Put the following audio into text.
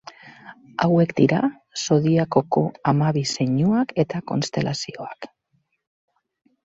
Hauek dira zodiakoko hamabi zeinuak eta konstelazioak.